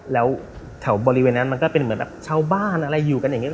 แล้วแถวบริเวณนั้นมันก็เป็นเหมือนแบบชาวบ้านอะไรอยู่กันอย่างนี้